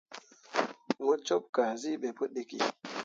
Mo cup kazi be pu ɗiki.